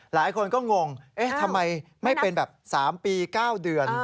หลายคนก็งงทำไมไม่เป็นแบบ๓ปี๙เดือน